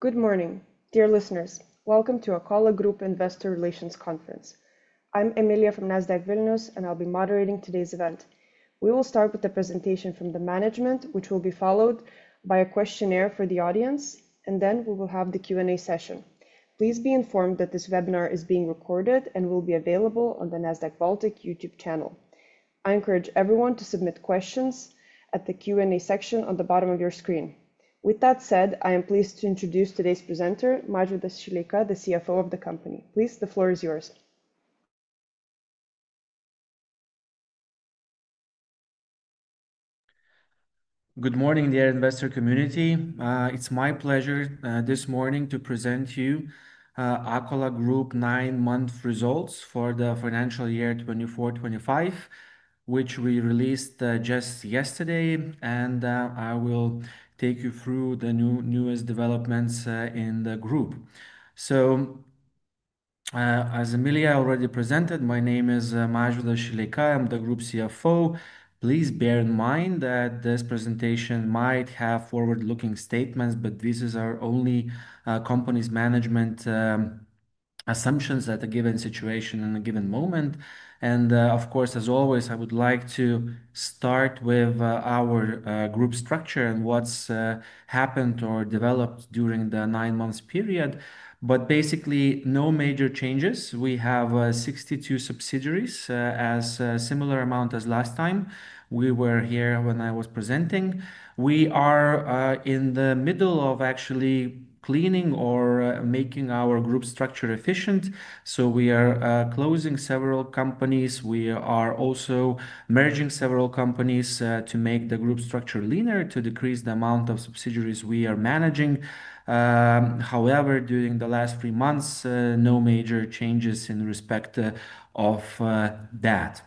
Good morning, dear listeners. Welcome to Akola Group Investor Relations Conference. I'm Emilia from Nasdaq Vilnius, and I'll be moderating today's event. We will start with a presentation from the management, which will be followed by a questionnaire for the audience, and then we will have the Q&A session. Please be informed that this webinar is being recorded and will be available on the Nasdaq Baltic YouTube channel. I encourage everyone to submit questions at the Q&A section on the bottom of your screen. With that said, I am pleased to introduce today's presenter, Mažvydas Šileika, the CFO of the company. Please, the floor is yours. Good morning, dear investor community. It's my pleasure this morning to present to you Akola Group nine-month results for the financial year 2024-2025, which we released just yesterday. I will take you through the newest developments in the group. As Emilia already presented, my name is Mažvydas Šileika. I'm the Group CFO. Please bear in mind that this presentation might have forward-looking statements, but these are only company's management assumptions at a given situation and a given moment. Of course, as always, I would like to start with our group structure and what's happened or developed during the nine-month period. Basically, no major changes. We have 62 subsidiaries, a similar amount as last time we were here when I was presenting. We are in the middle of actually cleaning or making our group structure efficient. We are closing several companies. We are also merging several companies to make the group structure leaner, to decrease the amount of subsidiaries we are managing. However, during the last three months, no major changes in respect of that.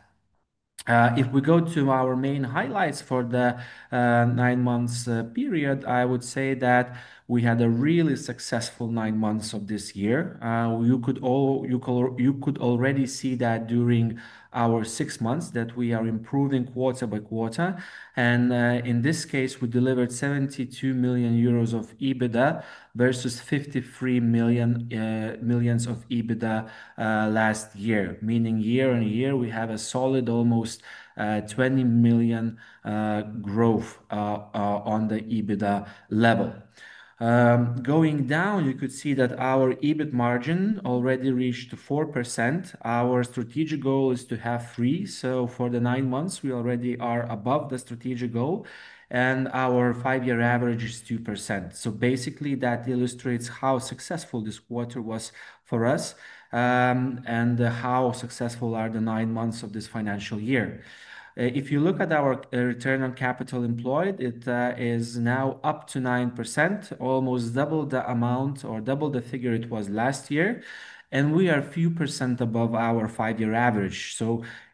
If we go to our main highlights for the nine-month period, I would say that we had a really successful nine months of this year. You could already see that during our six months that we are improving quarter-by-quarter. In this case, we delivered 72 million euros of EBITDA versus 53 million of EBITDA last year, meaning year-on-year, we have a solid almost 20 million growth on the EBITDA level. Going down, you could see that our EBIT margin already reached 4%. Our strategic goal is to have 3%. For the nine months, we already are above the strategic goal, and our five-year average is 2%. Basically, that illustrates how successful this quarter was for us and how successful are the nine months of this financial year. If you look at our return on capital employed, it is now up to 9%, almost double the amount or double the figure it was last year. We are a few percent above our five-year average.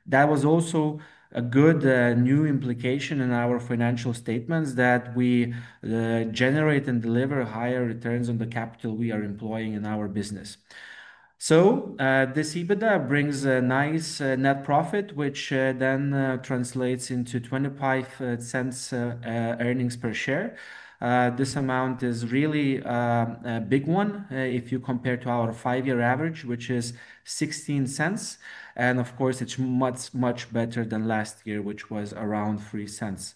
That was also a good new implication in our financial statements that we generate and deliver higher returns on the capital we are employing in our business. This EBITDA brings a nice net profit, which then translates into 0.25 earnings per share. This amount is really a big one if you compare to our five-year average, which is 0.16. Of course, it is much, much better than last year, which was around 0.03.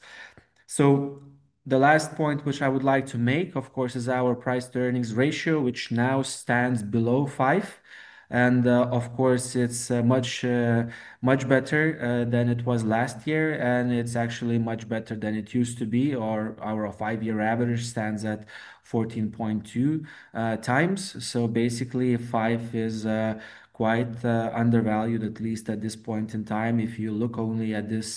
The last point which I would like to make, of course, is our price-to-earnings ratio, which now stands below 5. Of course, it is much better than it was last year, and it is actually much better than it used to be. Our five-year average stands at 14.2 times. Basically, 5 is quite undervalued, at least at this point in time, if you look only at this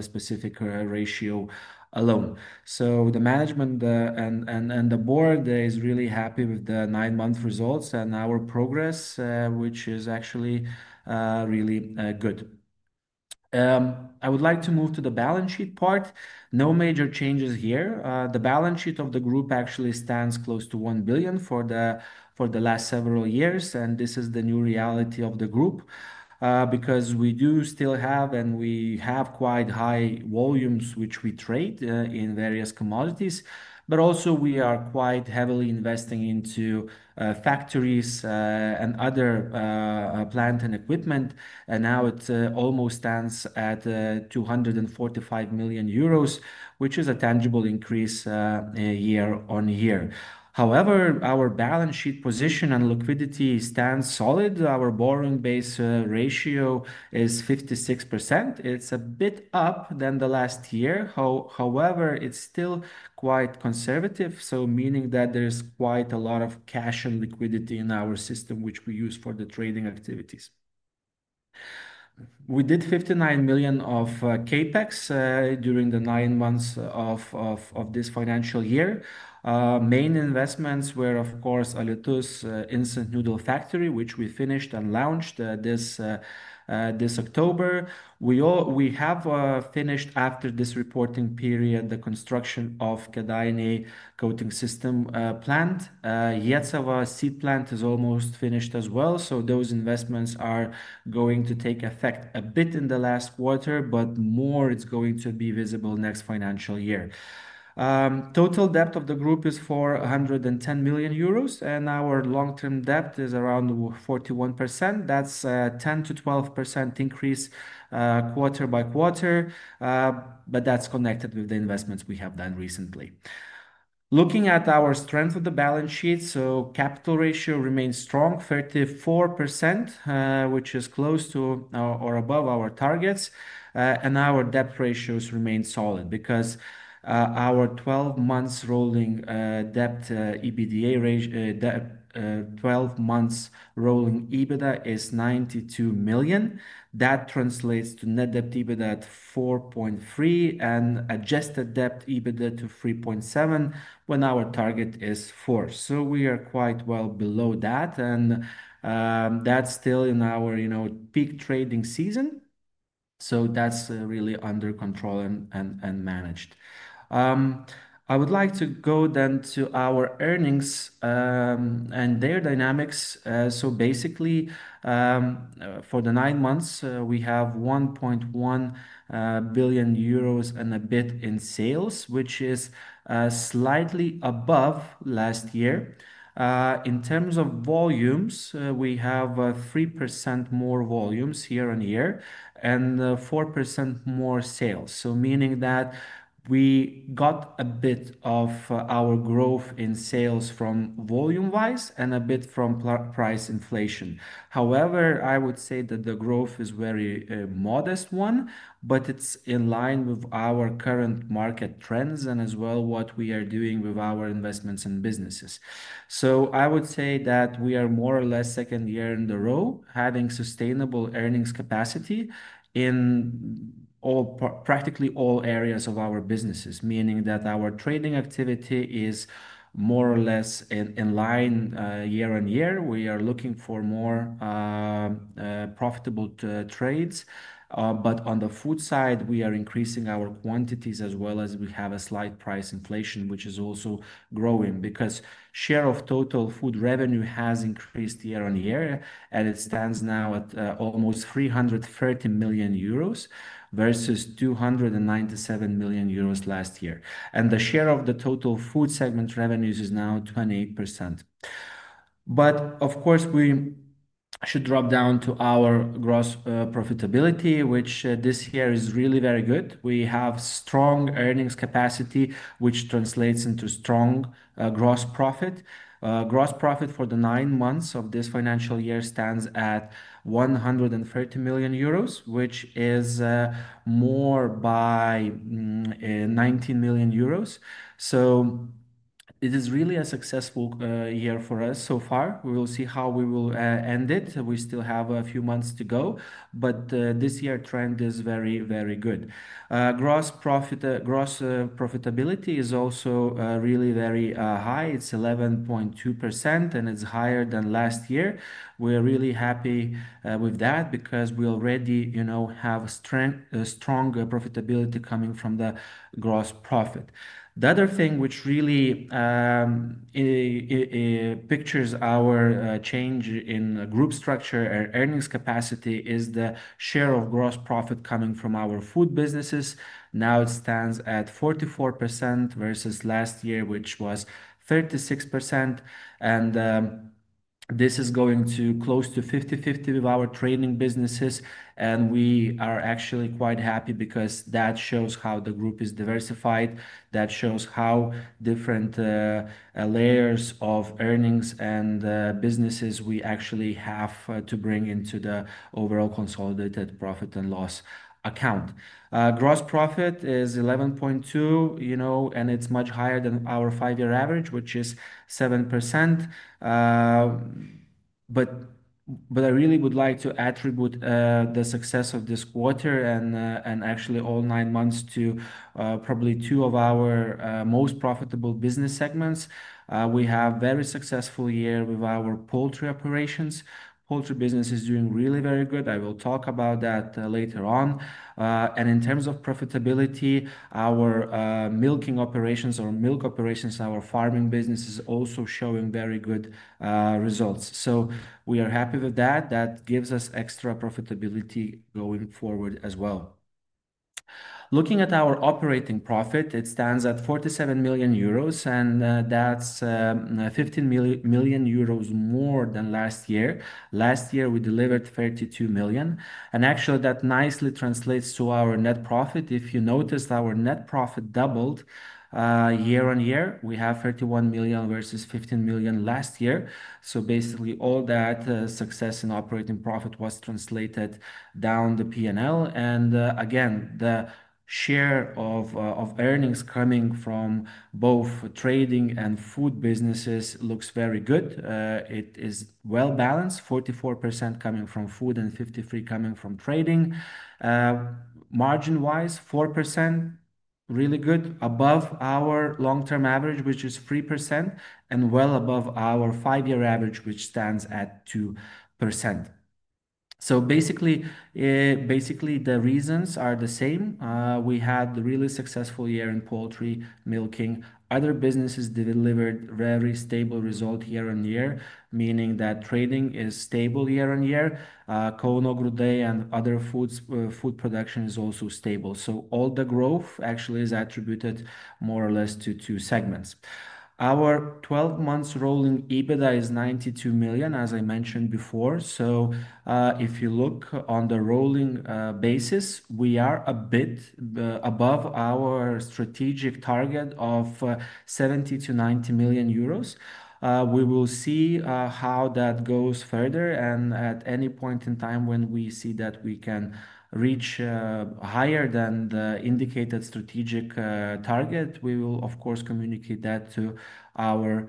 specific ratio alone. The management and the board is really happy with the nine-month results and our progress, which is actually really good. I would like to move to the balance sheet part. No major changes here. The balance sheet of the group actually stands close to 1 billion for the last several years. This is the new reality of the group because we do still have, and we have quite high volumes, which we trade in various commodities. Also, we are quite heavily investing into factories and other plant and equipment. Now it almost stands at 245 million euros, which is a tangible increase year-on-year. However, our balance sheet position and liquidity stand solid. Our borrowing base ratio is 56%. It is a bit up than the last year. However, it is still quite conservative, meaning that there is quite a lot of cash and liquidity in our system, which we use for the trading activities. We did 59 million of Capex during the nine months of this financial year. Main investments were, of course, Alytus Instant Noodle Factory, which we finished and launched this October. We have finished, after this reporting period, the construction of Kėdainiai Coating System Plant. Vecava Seed Plant is almost finished as well. Those investments are going to take effect a bit in the last quarter, but more it's going to be visible next financial year. Total debt of the group is 410 million euros, and our long-term debt is around 41%. That's a 10%-12% increase quarter-by-quarter, but that's connected with the investments we have done recently. Looking at our strength of the balance sheet, capital ratio remains strong, 34%, which is close to or above our targets. Our debt ratios remain solid because our 12-months rolling debt EBITDA, 12-months rolling EBITDA is 92 million. That translates to net debt EBITDA at 4.3 and adjusted debt EBITDA to 3.7 when our target is 4. We are quite well below that. That's still in our peak trading season. That's really under control and managed. I would like to go then to our earnings and their dynamics. Basically, for the nine months, we have 1.1 billion euros and a bit in sales, which is slightly above last year. In terms of volumes, we have 3% more volumes year-on-year and 4% more sales, meaning that we got a bit of our growth in sales from volume-wise and a bit from price inflation. However, I would say that the growth is a very modest one, but it is in line with our current market trends and as well what we are doing with our investments and businesses. I would say that we are more or less second year in a row having sustainable earnings capacity in practically all areas of our businesses, meaning that our trading activity is more or less in line year-on-year. We are looking for more profitable trades. On the food side, we are increasing our quantities as well as we have a slight price inflation, which is also growing because the share of total food revenue has increased year-on-year, and it stands now at almost 330 million euros versus 297 million euros last year. The share of the total food segment revenues is now 28%. Of course, we should drop down to our gross profitability, which this year is really very good. We have strong earnings capacity, which translates into strong gross profit. Gross profit for the nine months of this financial year stands at 130 million euros, which is more by 19 million euros. It is really a successful year for us so far. We will see how we will end it. We still have a few months to go, but this year's trend is very, very good. Gross profitability is also really very high. It's 11.2%, and it's higher than last year. We are really happy with that because we already have strong profitability coming from the gross profit. The other thing which really pictures our change in group structure or earnings capacity is the share of gross profit coming from our food businesses. Now it stands at 44% versus last year, which was 36%. This is going to close to 50-50 with our trading businesses. We are actually quite happy because that shows how the group is diversified. That shows how different layers of earnings and businesses we actually have to bring into the overall consolidated profit and loss account. Gross profit is 11.2%, and it's much higher than our five-year average, which is 7%. I really would like to attribute the success of this quarter and actually all nine months to probably two of our most profitable business segments. We have a very successful year with our poultry operations. Poultry business is doing really very good. I will talk about that later on. In terms of profitability, our milking operations or milk operations, our farming business is also showing very good results. We are happy with that. That gives us extra profitability going forward as well. Looking at our operating profit, it stands at 47 million euros, and that is 15 million euros more than last year. Last year, we delivered 32 million. That nicely translates to our net profit. If you noticed, our net profit doubled year-on-year. We have 31 million versus 15 million last year. Basically, all that success in operating profit was translated down the P&L. Again, the share of earnings coming from both trading and food businesses looks very good. It is well balanced, 44% coming from food and 53% coming from trading. Margin-wise, 4%, really good, above our long-term average, which is 3%, and well above our five-year average, which stands at 2%. Basically, the reasons are the same. We had a really successful year in poultry, milking. Other businesses delivered a very stable result year-on-year, meaning that trading is stable year-on-year. Akola Group, Mažvydas, and other food production is also stable. All the growth actually is attributed more or less to two segments. Our 12-months rolling EBITDA is 92 million, as I mentioned before. If you look on the rolling basis, we are a bit above our strategic target of 70-90 million euros. We will see how that goes further. At any point in time when we see that we can reach higher than the indicated strategic target, we will, of course, communicate that to our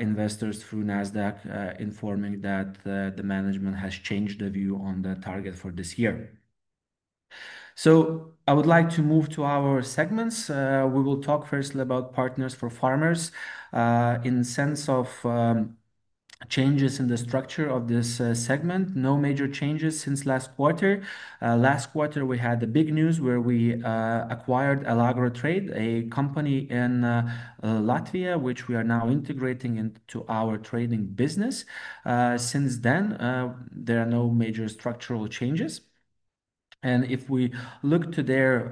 investors through Nasdaq, informing that the management has changed the view on the target for this year. I would like to move to our segments. We will talk firstly about Partners for Farmers in the sense of changes in the structure of this segment. No major changes since last quarter. Last quarter, we had the big news where we acquired Elagro Trade, a company in Latvia, which we are now integrating into our trading business. Since then, there are no major structural changes. If we look to their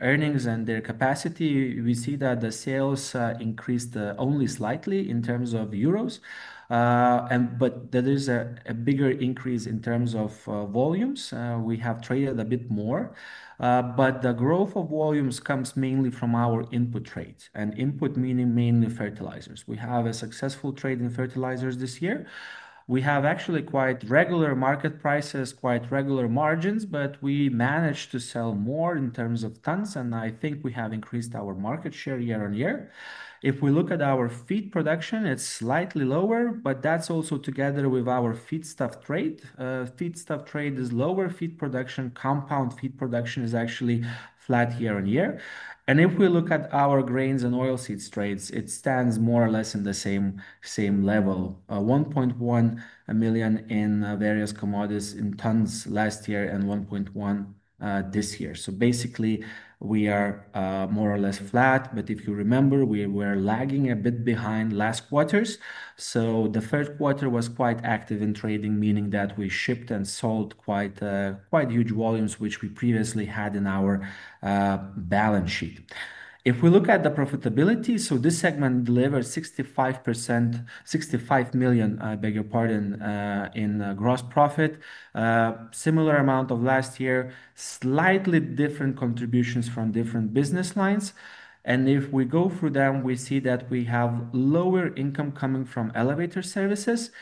earnings and their capacity, we see that the sales increased only slightly in terms of euros. There is a bigger increase in terms of volumes. We have traded a bit more. The growth of volumes comes mainly from our input trades, and input meaning mainly fertilizers. We have a successful trade in fertilizers this year. We have actually quite regular market prices, quite regular margins, but we managed to sell more in terms of tons. I think we have increased our market share year-on-year. If we look at our feed production, it is slightly lower, but that is also together with our feedstuff trade. Feedstuff trade is lower. Feed production, compound feed production, is actually flat year-on-year. If we look at our grains and oilseeds trades, it stands more or less at the same level, 1.1 million in various commodities in tons last year and 1.1 million this year. We are more or less flat. If you remember, we were lagging a bit behind last quarters. The third quarter was quite active in trading, meaning that we shipped and sold quite huge volumes, which we previously had in our balance sheet. If we look at the profitability, this segment delivers EUR 65 million bigger part in gross profit, similar amount of last year, slightly different contributions from different business lines. If we go through them, we see that we have lower income coming from elevator services.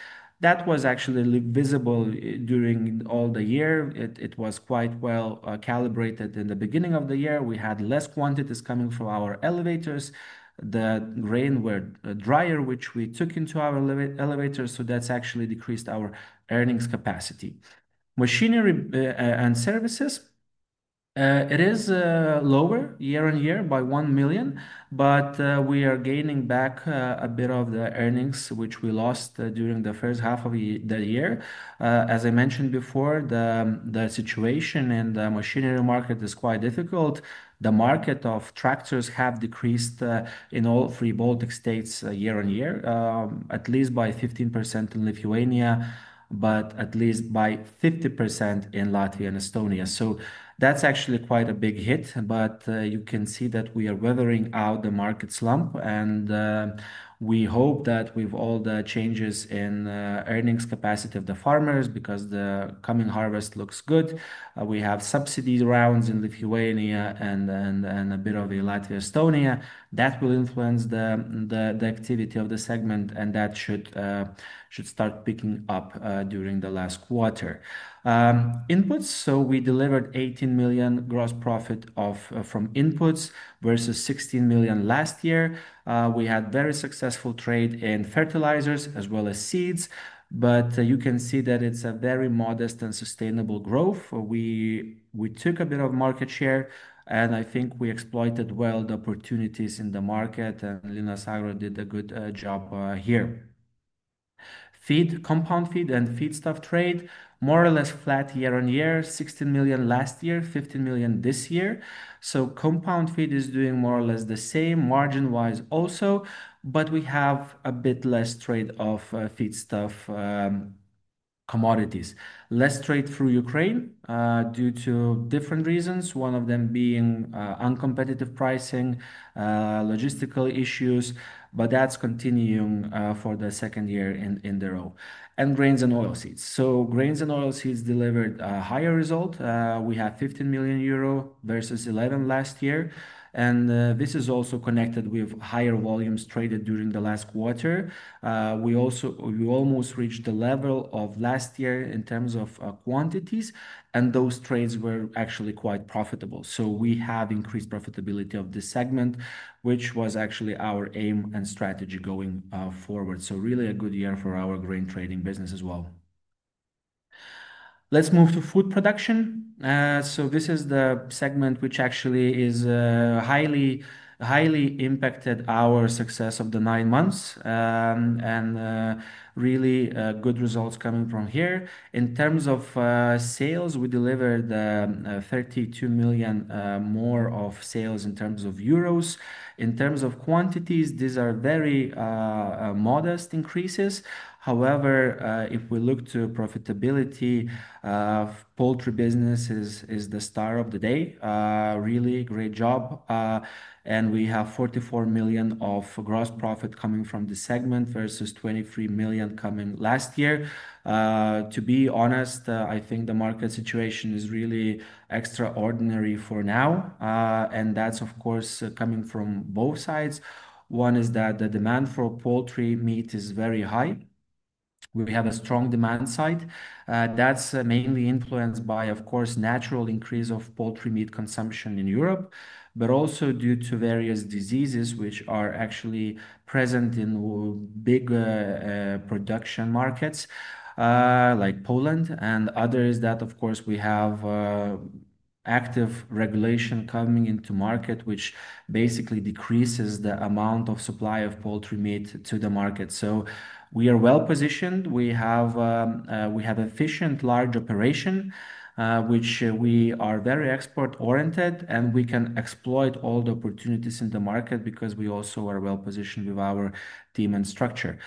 That was actually visible during all the year. It was quite well calibrated in the beginning of the year. We had less quantities coming from our elevators. The grain were drier, which we took into our elevators. That actually decreased our earnings capacity. Machinery and services, it is lower year-on-year by 1 million, but we are gaining back a bit of the earnings, which we lost during the first half of the year. As I mentioned before, the situation in the machinery market is quite difficult. The market of tractors has decreased in all three Baltic states year-on-year, at least by 15% in Lithuania, but at least by 50% in Latvia and Estonia. That is actually quite a big hit. You can see that we are weathering out the market slump. We hope that with all the changes in earnings capacity of the farmers, because the coming harvest looks good, we have subsidy rounds in Lithuania and a bit of Latvia, Estonia. That will influence the activity of the segment, and that should start picking up during the last quarter. Inputs, we delivered 18 million gross profit from inputs versus 16 million last year. We had very successful trade in fertilizers as well as seeds. You can see that it is a very modest and sustainable growth. We took a bit of market share, and I think we exploited well the opportunities in the market. And Linas Agro did a good job here. Feed, compound feed and feedstuff trade, more or less flat year-on-year, 16 million last year, 15 million this year. So compound feed is doing more or less the same margin-wise also, but we have a bit less trade of feedstuff commodities, less trade through Ukraine due to different reasons, one of them being uncompetitive pricing, logistical issues, but that's continuing for the second year in a row. And grains and oilseeds. So grains and oilseeds delivered a higher result. We have 15 million euro versus 11 million last year. And this is also connected with higher volumes traded during the last quarter. We almost reached the level of last year in terms of quantities, and those trades were actually quite profitable. We have increased profitability of this segment, which was actually our aim and strategy going forward. Really a good year for our grain trading business as well. Let's move to food production. This is the segment which actually has highly impacted our success of the nine months and really good results coming from here. In terms of sales, we delivered 32 million more of sales. In terms of quantities, these are very modest increases. However, if we look to profitability, poultry business is the star of the day. Really great job. We have 44 million of gross profit coming from the segment versus 23 million coming last year. To be honest, I think the market situation is really extraordinary for now. That's, of course, coming from both sides. One is that the demand for poultry meat is very high. We have a strong demand side. That's mainly influenced by, of course, the natural increase of poultry meat consumption in Europe, but also due to various diseases which are actually present in big production markets like Poland and others. That, of course, we have active regulation coming into market, which basically decreases the amount of supply of poultry meat to the market. We are well positioned. We have an efficient large operation, we are very export-oriented, and we can exploit all the opportunities in the market because we also are well positioned with our team and structure.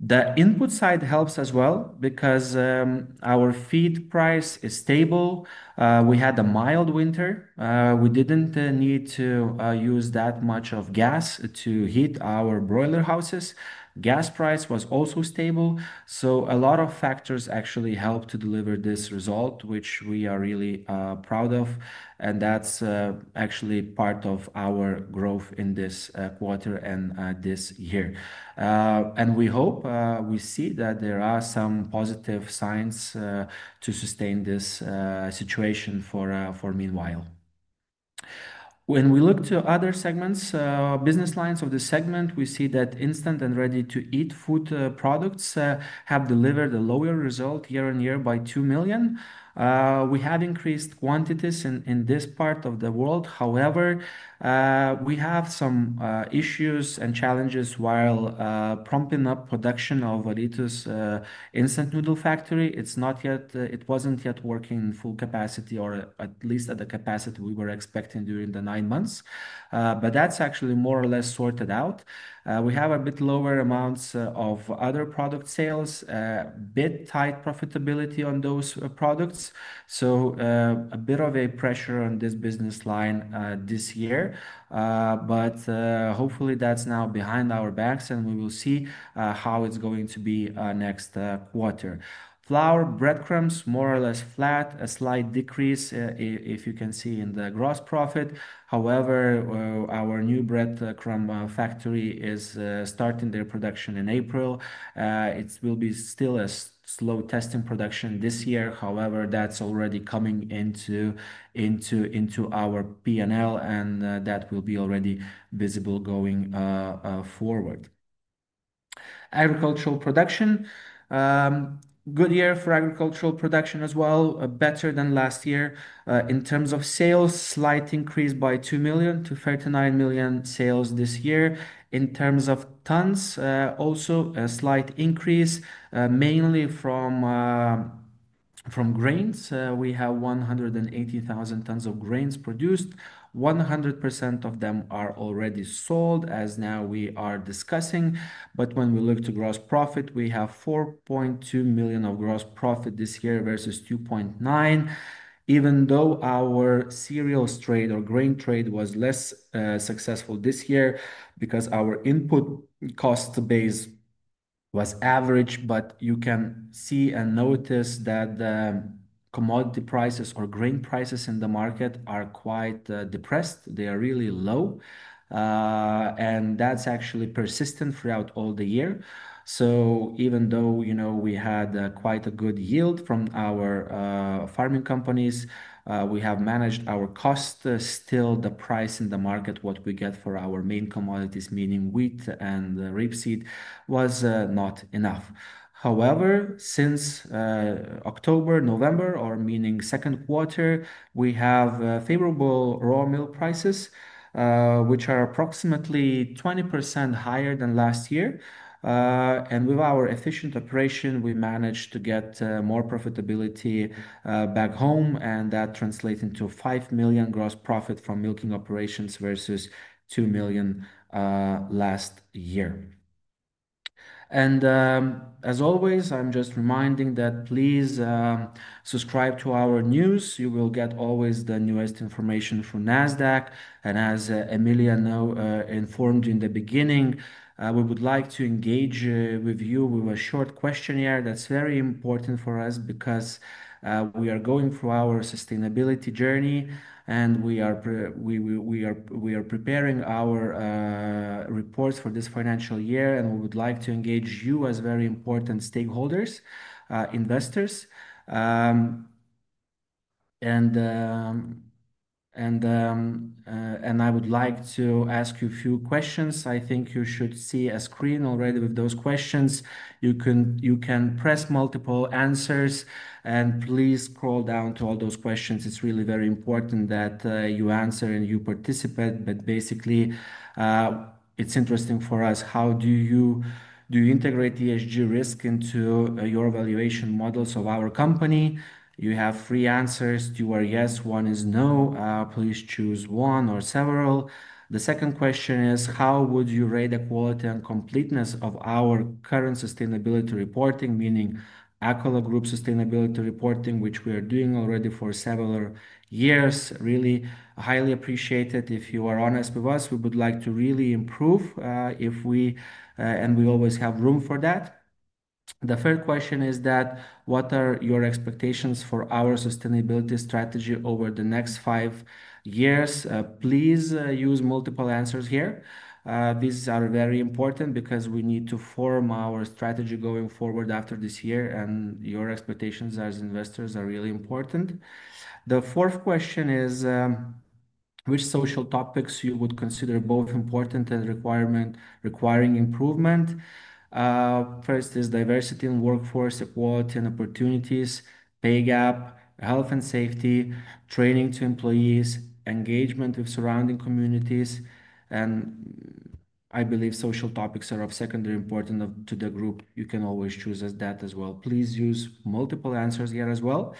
The input side helps as well because our feed price is stable. We had a mild winter. We did not need to use that much gas to heat our broiler houses. Gas price was also stable. A lot of factors actually helped to deliver this result, which we are really proud of. That is actually part of our growth in this quarter and this year. We hope we see that there are some positive signs to sustain this situation for meanwhile. When we look to other segments, business lines of the segment, we see that instant and ready-to-eat food products have delivered a lower result year-on-year by 2 million. We have increased quantities in this part of the world. However, we have some issues and challenges while propping up production of Alytus Instant Noodle Factory. It was not yet working in full capacity, or at least at the capacity we were expecting during the nine months. That is actually more or less sorted out. We have a bit lower amounts of other product sales, a bit tight profitability on those products. A bit of a pressure on this business line this year. Hopefully, that's now behind our backs, and we will see how it's going to be next quarter. Flour, breadcrumbs, more or less flat, a slight decrease, if you can see in the gross profit. However, our new breadcrumb factory is starting their production in April. It will be still a slow testing production this year. However, that's already coming into our P&L, and that will be already visible going forward. Agricultural production, good year for agricultural production as well, better than last year. In terms of sales, slight increase by 2 million to 39 million sales this year. In terms of tons, also a slight increase, mainly from grains. We have 180,000 tons of grains produced. 100% of them are already sold, as now we are discussing. When we look to gross profit, we have 4.2 million of gross profit this year versus 2.9 million, even though our cereals trade or grain trade was less successful this year because our input cost base was average. You can see and notice that the commodity prices or grain prices in the market are quite depressed. They are really low. That is actually persistent throughout all the year. Even though we had quite a good yield from our farming companies, we have managed our costs, still the price in the market, what we get for our main commodities, meaning wheat and rapeseed, was not enough. However, since October, November, or meaning second quarter, we have favorable raw meal prices, which are approximately 20% higher than last year. With our efficient operation, we managed to get more profitability back home, and that translates into 5 million gross profit from milking operations versus 2 million last year. As always, I'm just reminding that please subscribe to our news. You will get always the newest information from Nasdaq. As Emilia informed you in the beginning, we would like to engage with you with a short questionnaire. That's very important for us because we are going through our sustainability journey, and we are preparing our reports for this financial year. We would like to engage you as very important stakeholders, investors. I would like to ask you a few questions. I think you should see a screen already with those questions. You can press multiple answers, and please scroll down to all those questions. It's really very important that you answer and you participate. Basically, it's interesting for us. How do you integrate ESG risk into your evaluation models of our company? You have three answers. Two are yes, one is no. Please choose one or several. The second question is, how would you rate the quality and completeness of our current sustainability reporting, meaning Akola Group Sustainability Reporting, which we are doing already for several years? Really highly appreciated. If you are honest with us, we would like to really improve, and we always have room for that. The third question is that, what are your expectations for our sustainability strategy over the next five years? Please use multiple answers here. These are very important because we need to form our strategy going forward after this year, and your expectations as investors are really important. The fourth question is, which social topics you would consider both important and requiring improvement? First is diversity in workforce, equality and opportunities, pay gap, health and safety, training to employees, engagement with surrounding communities. I believe social topics are of secondary importance to the group. You can always choose that as well. Please use multiple answers here as well.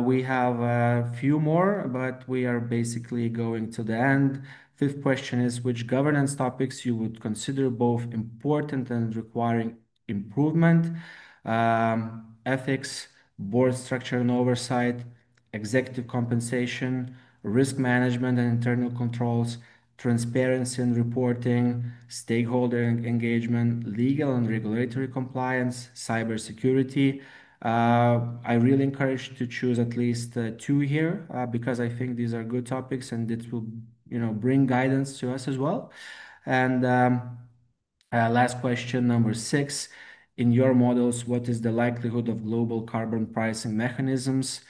We have a few more, but we are basically going to the end. Fifth question is, which governance topics you would consider both important and requiring improvement? Ethics, board structure and oversight, executive compensation, risk management and internal controls, transparency and reporting, stakeholder engagement, legal and regulatory compliance, cybersecurity. I really encourage you to choose at least two here because I think these are good topics, and this will bring guidance to us as well. Last question, number six. In your models, what is the likelihood of global carbon pricing mechanisms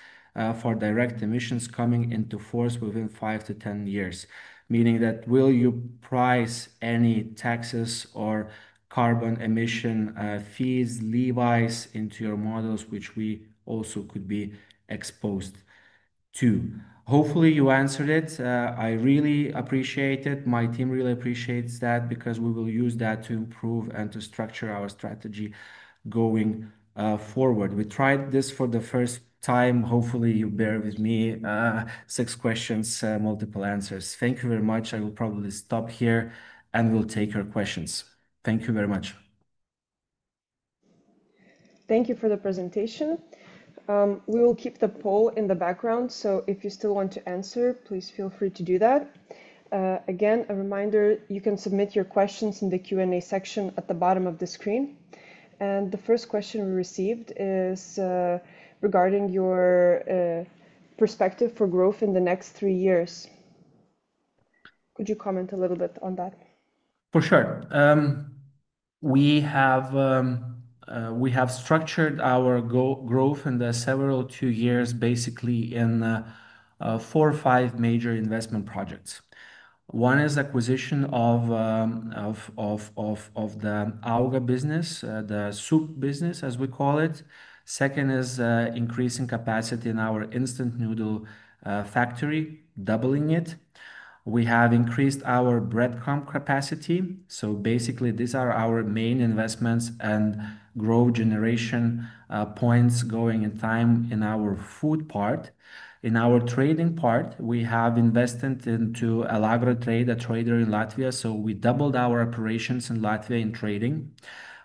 for direct emissions coming into force within 5-10 years? Meaning that will you price any taxes or carbon emission fees, levies into your models, which we also could be exposed to? Hopefully, you answered it. I really appreciate it. My team really appreciates that because we will use that to improve and to structure our strategy going forward. We tried this for the first time. Hopefully, you bear with me. Six questions, multiple answers. Thank you very much. I will probably stop here and will take your questions. Thank you very much. Thank you for the presentation. We will keep the poll in the background. If you still want to answer, please feel free to do that. Again, a reminder, you can submit your questions in the Q&A section at the bottom of the screen. The first question we received is regarding your perspective for growth in the next three years. Could you comment a little bit on that? For sure. We have structured our growth in the several two years basically in four or five major investment projects. One is acquisition of the Auga business, the soup business, as we call it. Second is increasing capacity in our instant noodle factory, doubling it. We have increased our breadcrumb capacity. These are our main investments and growth generation points going in time in our food part. In our trading part, we have invested into Elagro Trade, a trader in Latvia. We doubled our operations in Latvia in trading.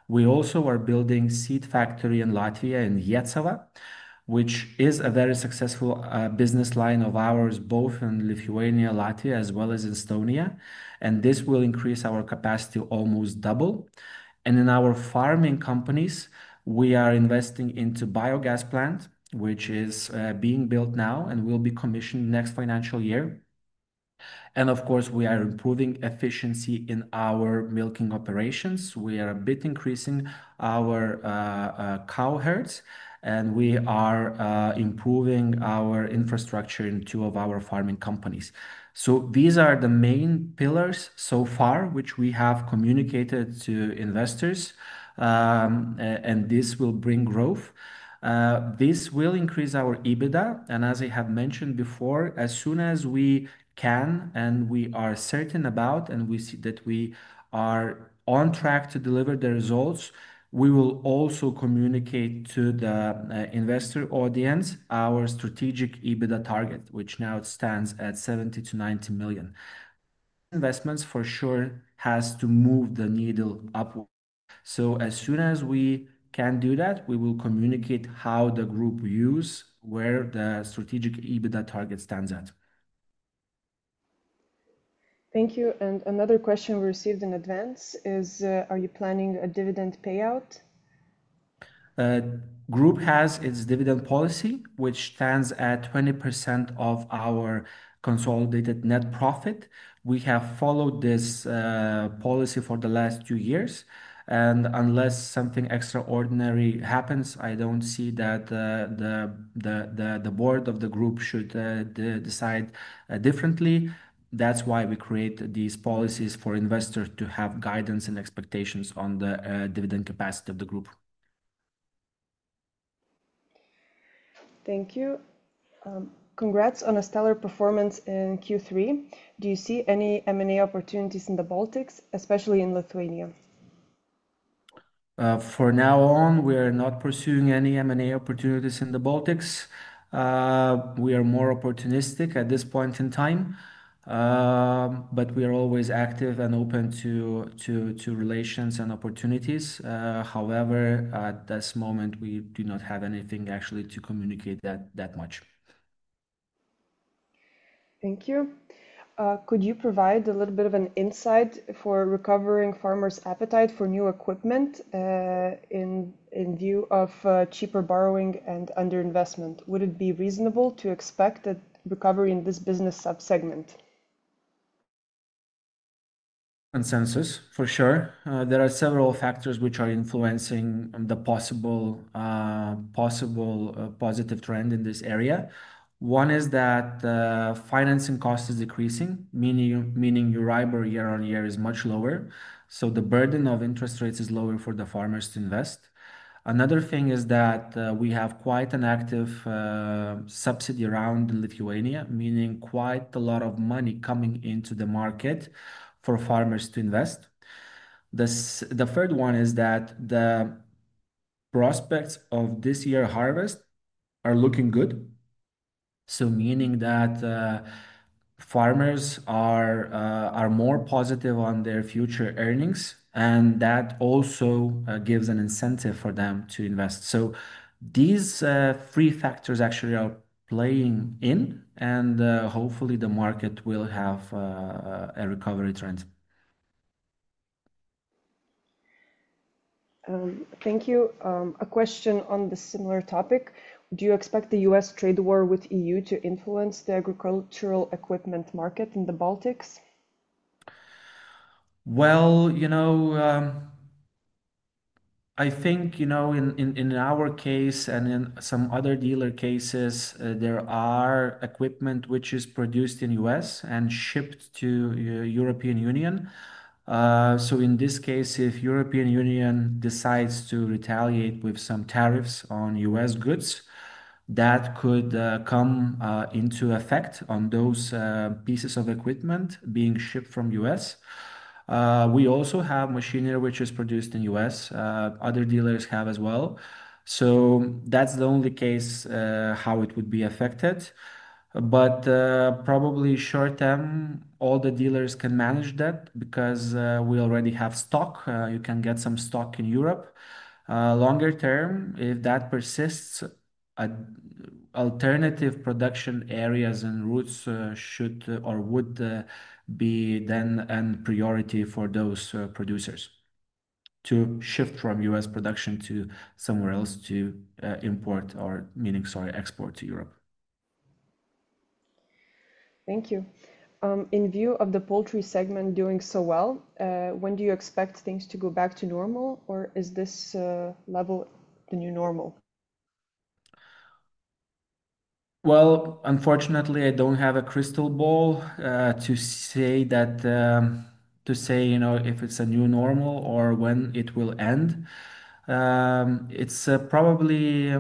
We also are building a seed factory in Latvia in Vecava, which is a very successful business line of ours, both in Lithuania, Latvia, as well as Estonia. This will increase our capacity almost double. In our farming companies, we are investing into a biogas plant, which is being built now and will be commissioned next financial year. Of course, we are improving efficiency in our milking operations. We are a bit increasing our cow herds, and we are improving our infrastructure in two of our farming companies. These are the main pillars so far, which we have communicated to investors, and this will bring growth. This will increase our EBITDA. As I have mentioned before, as soon as we can and we are certain about and we see that we are on track to deliver the results, we will also communicate to the investor audience our strategic EBITDA target, which now stands at 70 million-90 million. Investments, for sure, have to move the needle upward. As soon as we can do that, we will communicate how the group views where the strategic EBITDA target stands at. Thank you. Another question we received in advance is, are you planning a dividend payout? The group has its dividend policy, which stands at 20% of our consolidated net profit. We have followed this policy for the last two years. Unless something extraordinary happens, I do not see that the board of the group should decide differently. That is why we create these policies for investors to have guidance and expectations on the dividend capacity of the group. Thank you. Congrats on a stellar performance in Q3. Do you see any M&A opportunities in the Baltics, especially in Lithuania? For now on, we are not pursuing any M&A opportunities in the Baltics. We are more opportunistic at this point in time, but we are always active and open to relations and opportunities. However, at this moment, we do not have anything actually to communicate that much. Thank you. Could you provide a little bit of an insight for recovering farmers' appetite for new equipment in view of cheaper borrowing and underinvestment? Would it be reasonable to expect a recovery in this business subsegment? Consensus, for sure. There are several factors which are influencing the possible positive trend in this area. One is that financing cost is decreasing, meaning your Euribor year-on-year is much lower. So the burden of interest rates is lower for the farmers to invest. Another thing is that we have quite an active subsidy around Lithuania, meaning quite a lot of money coming into the market for farmers to invest. The third one is that the prospects of this year's harvest are looking good. Meaning that farmers are more positive on their future earnings, and that also gives an incentive for them to invest. These three factors actually are playing in, and hopefully, the market will have a recovery trend. Thank you. A question on a similar topic. Do you expect the U.S. trade war with the EU to influence the agricultural equipment market in the Baltics? I think in our case and in some other dealer cases, there are equipment which is produced in the U.S. and shipped to the European Union. In this case, if the European Union decides to retaliate with some tariffs on U.S. goods, that could come into effect on those pieces of equipment being shipped from the U.S. We also have machinery which is produced in the U.S. Other dealers have as well. That is the only case how it would be affected. Probably short term, all the dealers can manage that because we already have stock. You can get some stock in Europe. Longer term, if that persists, alternative production areas and routes should or would be then a priority for those producers to shift from U.S. production to somewhere else to import, or meaning, sorry, export to Europe. Thank you. In view of the poultry segment doing so well, when do you expect things to go back to normal, or is this level the new normal? Unfortunately, I do not have a crystal ball to say if it is a new normal or when it will end. It is probably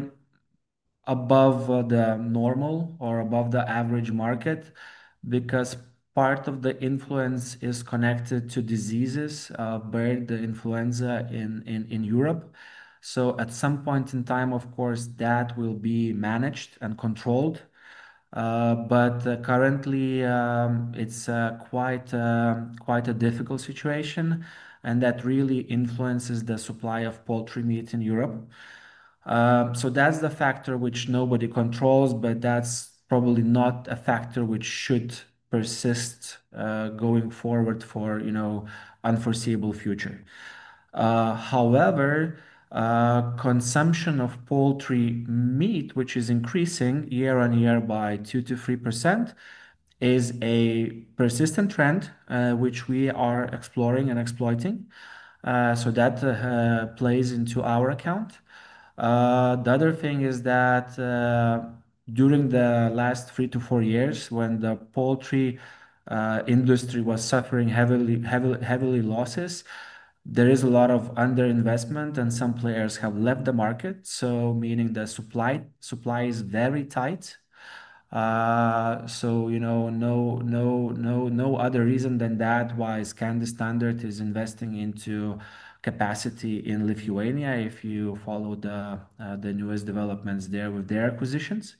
above the normal or above the average market because part of the influence is connected to diseases, the influenza in Europe. At some point in time, of course, that will be managed and controlled. Currently, it's quite a difficult situation, and that really influences the supply of poultry meat in Europe. That's the factor which nobody controls, but that's probably not a factor which should persist going forward for an unforeseeable future. However, consumption of poultry meat, which is increasing year-on-year by 2-3%, is a persistent trend which we are exploring and exploiting. That plays into our account. The other thing is that during the last three to four years, when the poultry industry was suffering heavily losses, there is a lot of underinvestment, and some players have left the market, meaning the supply is very tight. No other reason than that why Scandi Standard is investing into capacity in Lithuania, if you follow the newest developments there with their acquisitions.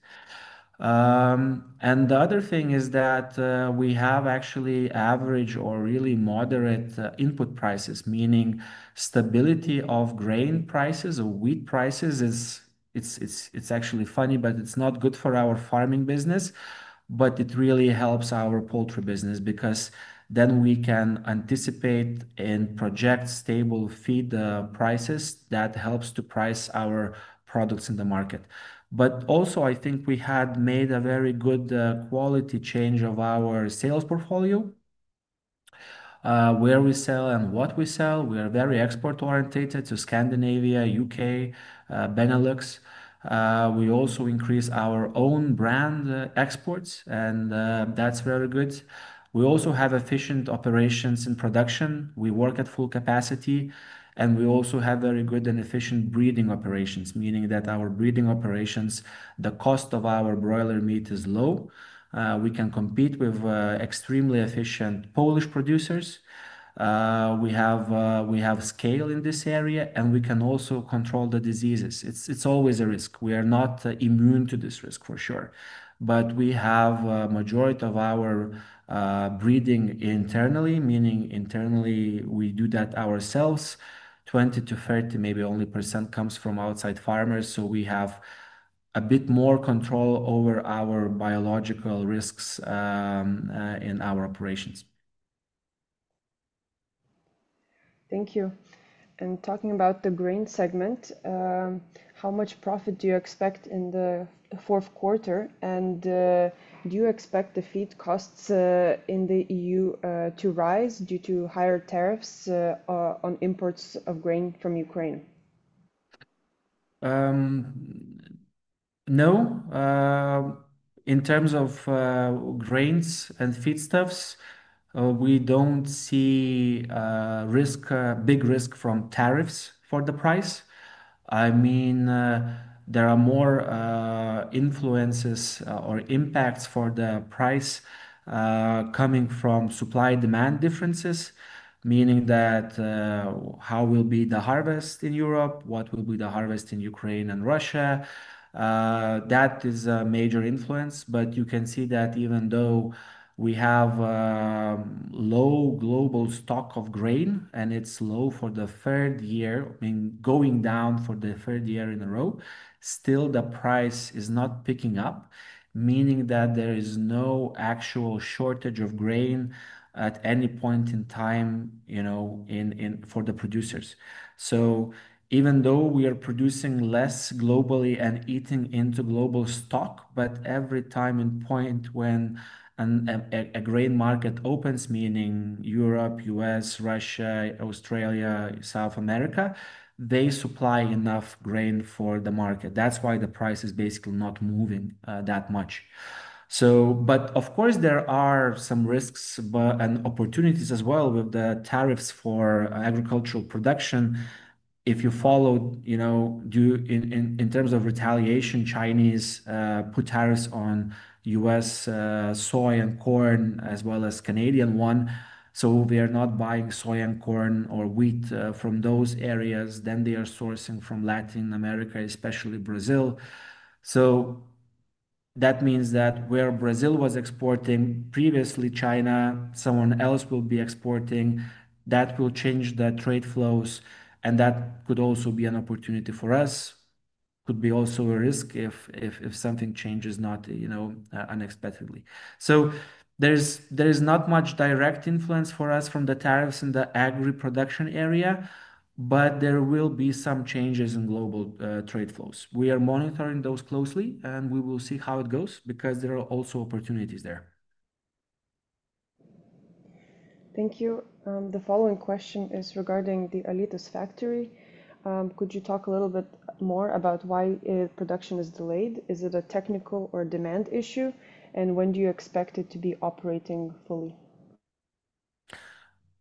The other thing is that we have actually average or really moderate input prices, meaning stability of grain prices or wheat prices. It's actually funny, but it's not good for our farming business, but it really helps our poultry business because we can anticipate and project stable feed prices that helps to price our products in the market. I think we had made a very good quality change of our sales portfolio, where we sell and what we sell. We are very export-orientated to Scandinavia, U.K., Benelux. We also increase our own brand exports, and that's very good. We also have efficient operations in production. We work at full capacity, and we also have very good and efficient breeding operations, meaning that our breeding operations, the cost of our broiler meat is low. We can compete with extremely efficient Polish producers. We have scale in this area, and we can also control the diseases. It's always a risk. We are not immune to this risk, for sure. We have a majority of our breeding internally, meaning internally we do that ourselves. 20%-30%, maybe only, comes from outside farmers. We have a bit more control over our biological risks in our operations. Thank you. Talking about the grain segment, how much profit do you expect in the fourth quarter? Do you expect the feed costs in the EU to rise due to higher tariffs on imports of grain from Ukraine? No. In terms of grains and feedstuffs, we do not see big risk from tariffs for the price. I mean, there are more influences or impacts for the price coming from supply-demand differences, meaning that how will be the harvest in Europe, what will be the harvest in Ukraine and Russia. That is a major influence. You can see that even though we have low global stock of grain and it's low for the third year, I mean, going down for the third year in a row, still the price is not picking up, meaning that there is no actual shortage of grain at any point in time for the producers. Even though we are producing less globally and eating into global stock, but every time in point when a grain market opens, meaning Europe, U.S., Russia, Australia, South America, they supply enough grain for the market. That is why the price is basically not moving that much. Of course, there are some risks and opportunities as well with the tariffs for agricultural production. If you follow, in terms of retaliation, Chinese put tariffs on U.S. soy and corn as well as Canadian one. We are not buying soy and corn or wheat from those areas. They are sourcing from Latin America, especially Brazil. That means that where Brazil was exporting previously, China, someone else will be exporting. That will change the trade flows, and that could also be an opportunity for us. It could be also a risk if something changes not unexpectedly. There is not much direct influence for us from the tariffs in the agri-production area, but there will be some changes in global trade flows. We are monitoring those closely, and we will see how it goes because there are also opportunities there. Thank you. The following question is regarding the Alytus factory. Could you talk a little bit more about why production is delayed? Is it a technical or demand issue? And when do you expect it to be operating fully?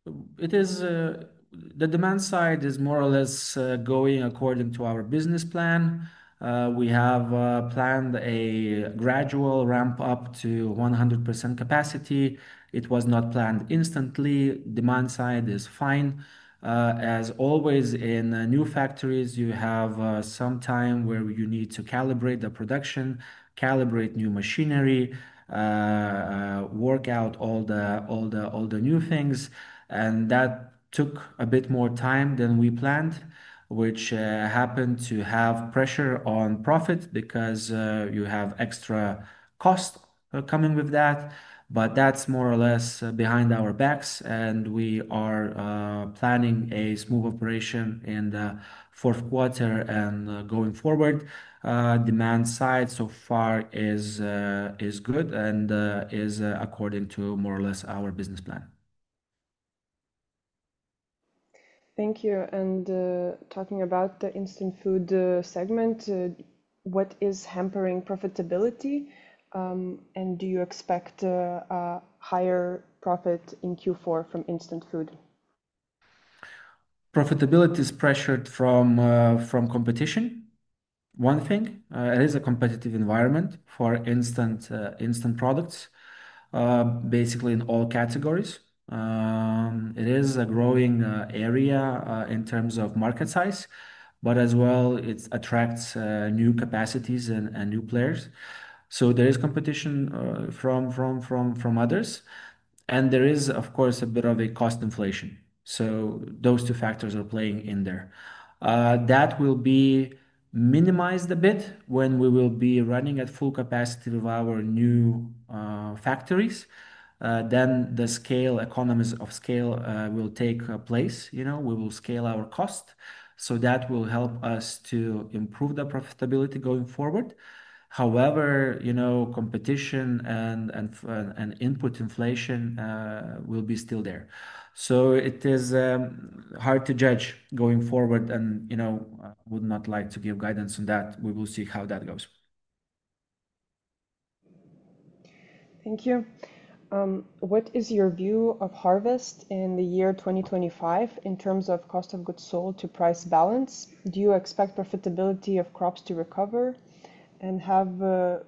The demand side is more or less going according to our business plan. We have planned a gradual ramp-up to 100% capacity. It was not planned instantly. Demand side is fine. As always, in new factories, you have some time where you need to calibrate the production, calibrate new machinery, work out all the new things. That took a bit more time than we planned, which happened to have pressure on profit because you have extra cost coming with that. That is more or less behind our backs, and we are planning a smooth operation in the fourth quarter and going forward. Demand side so far is good and is according to more or less our business plan. Thank you. Talking about the instant food segment, what is hampering profitability, and do you expect higher profit in Q4 from instant food? Profitability is pressured from competition, one thing. It is a competitive environment for instant products, basically in all categories. It is a growing area in terms of market size, but as well, it attracts new capacities and new players. There is competition from others. There is, of course, a bit of a cost inflation. Those two factors are playing in there. That will be minimized a bit when we will be running at full capacity with our new factories. The economies of scale will take place. We will scale our cost. That will help us to improve the profitability going forward. However, competition and input inflation will be still there. It is hard to judge going forward, and I would not like to give guidance on that. We will see how that goes. Thank you. What is your view of harvest in the year 2025 in terms of cost of goods sold to price balance? Do you expect profitability of crops to recover? Have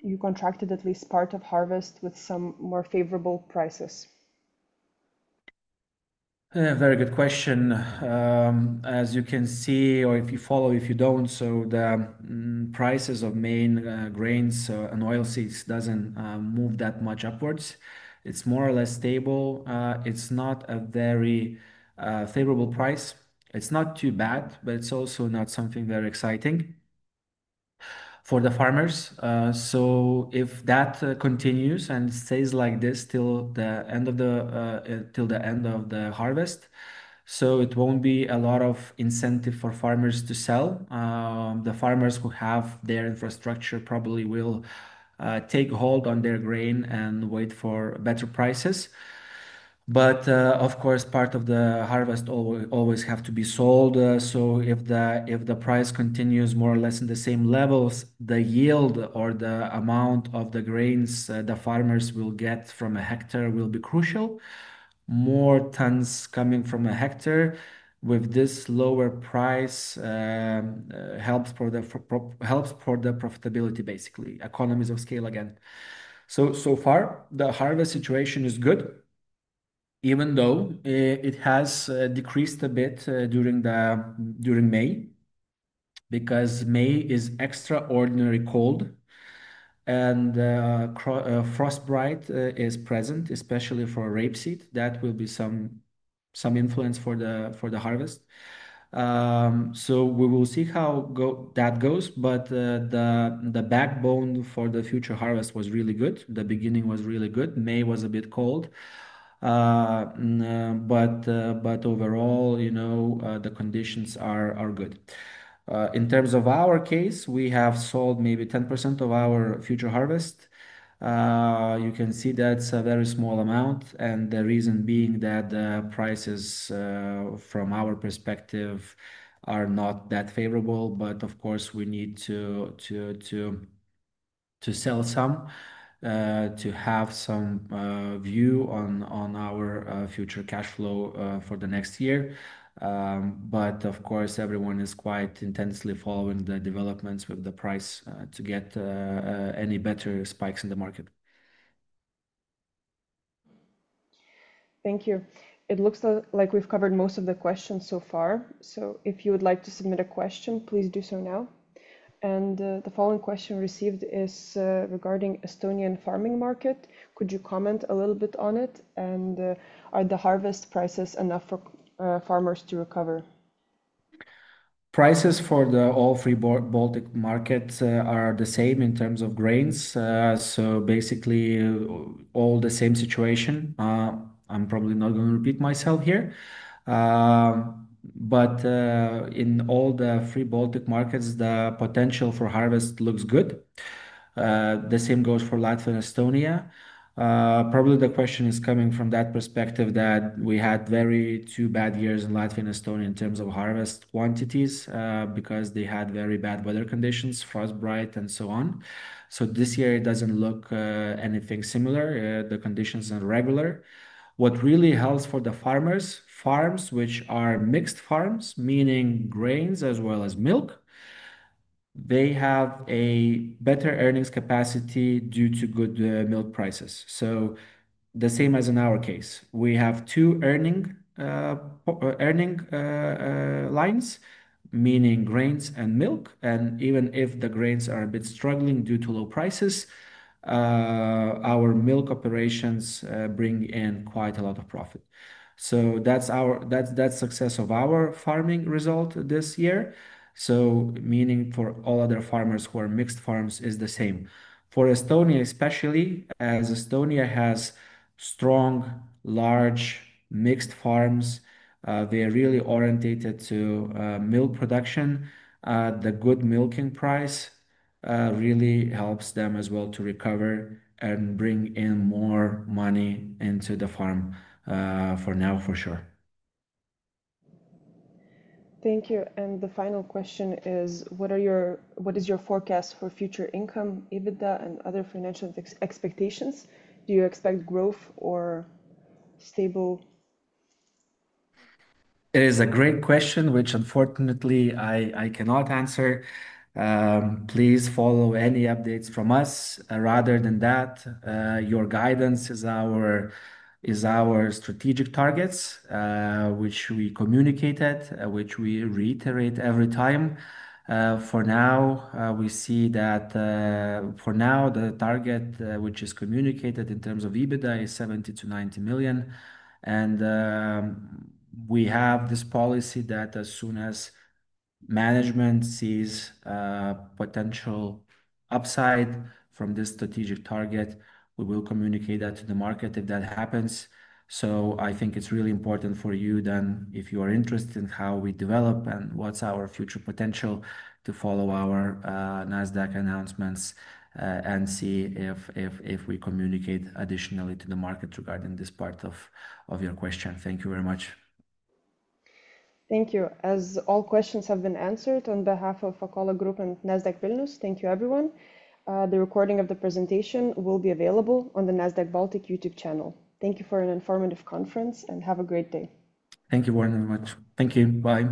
you contracted at least part of harvest with some more favorable prices? Very good question. As you can see, or if you follow, if you do not, the prices of main grains and oilseeds do not move that much upwards. It is more or less stable. It is not a very favorable price. It is not too bad, but it is also not something very exciting for the farmers. If that continues and stays like this till the end of the harvest, it will not be a lot of incentive for farmers to sell. The farmers who have their infrastructure probably will take hold on their grain and wait for better prices. Of course, part of the harvest always has to be sold. If the price continues more or less in the same levels, the yield or the amount of the grains the farmers will get from a hectare will be crucial. More tons coming from a hectare with this lower price helps for the profitability, basically. Economies of scale again. So far, the harvest situation is good, even though it has decreased a bit during May because May is extraordinarily cold and frostbite is present, especially for rapeseed. That will be some influence for the harvest. We will see how that goes. The backbone for the future harvest was really good. The beginning was really good. May was a bit cold. Overall, the conditions are good. In terms of our case, we have sold maybe 10% of our future harvest. You can see that is a very small amount. The reason being that the prices, from our perspective, are not that favorable. Of course, we need to sell some to have some view on our future cash flow for the next year. Of course, everyone is quite intensely following the developments with the price to get any better spikes in the market. Thank you. It looks like we have covered most of the questions so far. If you would like to submit a question, please do so now. The following question received is regarding the Estonian farming market. Could you comment a little bit on it? Are the harvest prices enough for farmers to recover? Prices for all three Baltic markets are the same in terms of grains. Basically, all the same situation. I'm probably not going to repeat myself here. In all the three Baltic markets, the potential for harvest looks good. The same goes for Latvia and Estonia. Probably the question is coming from that perspective that we had two very bad years in Latvia and Estonia in terms of harvest quantities because they had very bad weather conditions, frostbite, and so on. This year, it does not look anything similar. The conditions are regular. What really helps for the farmers, farms which are mixed farms, meaning grains as well as milk, they have a better earnings capacity due to good milk prices. The same as in our case. We have two earning lines, meaning grains and milk. Even if the grains are a bit struggling due to low prices, our milk operations bring in quite a lot of profit. That is success of our farming result this year. Meaning for all other farmers who are mixed farms, it is the same. For Estonia especially, as Estonia has strong, large mixed farms, they are really orientated to milk production. The good milking price really helps them as well to recover and bring in more money into the farm for now, for sure. Thank you. The final question is, what is your forecast for future income, EBITDA, and other financial expectations? Do you expect growth or stable? It is a great question, which unfortunately I cannot answer. Please follow any updates from us. Rather than that, your guidance is our strategic targets, which we communicated, which we reiterate every time. For now, we see that the target which is communicated in terms of EBITDA is 70 million-90 million. We have this policy that as soon as management sees potential upside from this strategic target, we will communicate that to the market if that happens. I think it is really important for you then, if you are interested in how we develop and what is our future potential, to follow our Nasdaq announcements and see if we communicate additionally to the market regarding this part of your question. Thank you very much. Thank you. As all questions have been answered, on behalf of Akola Group and Nasdaq Vilnius, thank you, everyone. The recording of the presentation will be available on the Nasdaq Baltic YouTube channel. Thank you for an informative conference and have a great day. Thank you very much. Thank you. Bye.